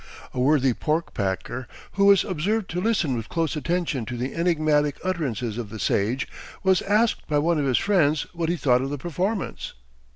A worthy pork packer, who was observed to listen with close attention to the enigmatic utterances of the sage, was asked by one of his friends what he thought of the performance.